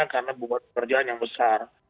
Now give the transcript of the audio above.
karena buat pekerjaan yang besar